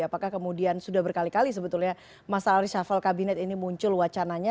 apakah kemudian sudah berkali kali sebetulnya masalah reshuffle kabinet ini muncul wacananya